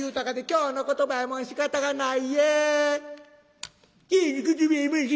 「京の言葉やもんしかたがないえ。